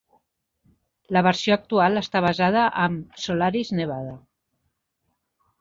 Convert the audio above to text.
La versió actual està basada amb Solaris Nevada.